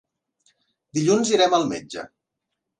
Dilluns irem al metge.